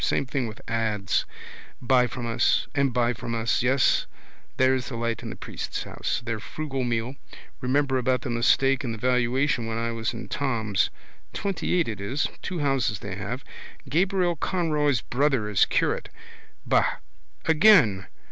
Same thing with ads. Buy from us. And buy from us. Yes, there's the light in the priest's house. Their frugal meal. Remember about the mistake in the valuation when I was in Thom's. Twentyeight it is. Two houses they have. Gabriel Conroy's brother is curate. Ba. Again.